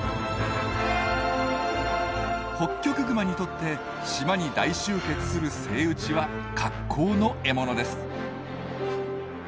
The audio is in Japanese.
ホッキョクグマにとって島に大集結するセイウチは格好の獲物です。